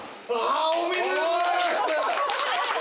おめでとうございます！